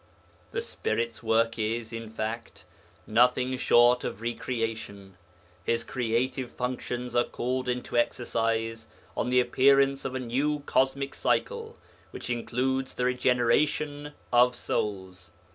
The Spirit's work is, in fact, nothing short of re creation; His creative functions are called into exercise on the appearance of a new cosmic cycle, which includes the regeneration of souls.